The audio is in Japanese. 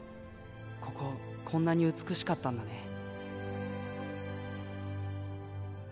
こここんなに美しかったんだね